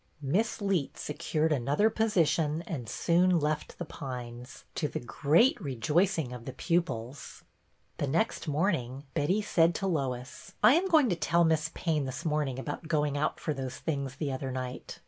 Miss Leet secured another position and soon left The Pines, to the great rejoicing of the pupils. The next morning Betty said to Lois, —" I am going to tell Miss Payne this morning about going out for those things the other night.